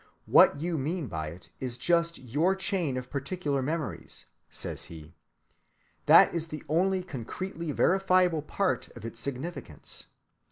What you mean by it is just your chain of particular memories, says he. That is the only concretely verifiable part of its significance.